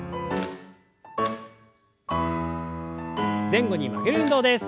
前後に曲げる運動です。